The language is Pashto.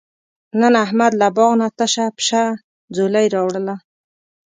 نن احمد له باغ نه تشه پشه ځولۍ راوړله.